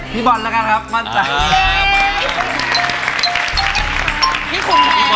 พี่บอลครับบั้นแจบ